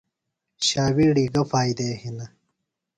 شاویڑی گہ فائدےۡ ہِنہ؟